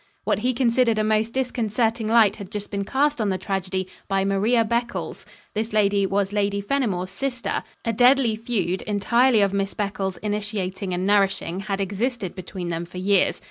What he considered a most disconcerting light had just been cast on the tragedy by Maria Beccles. This lady was Lady Fenimore's sister. A deadly feud, entirely of Miss Beccles' initiating and nourishing, had existed between them for years.